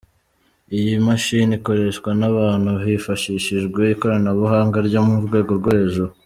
Iyi mashini ikoreshwa n’abantu hifashishijwe ikoranabuhanga ryo mu rwego rwo hejuru.